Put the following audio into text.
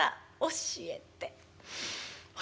教えて。